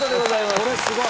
これすごい。